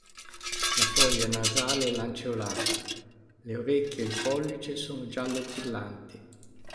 La foglia nasale lanceolata, le orecchie ed il pollice sono giallo brillanti.